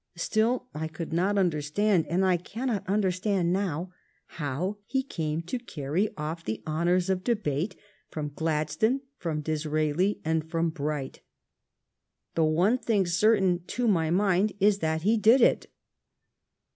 Still, I could not understand, and I cannot understand now, how he Carrie to carry off the honors of debate from Gladstone, from Disraeli, and from Bright. The one thing certain to my mind is that he did it.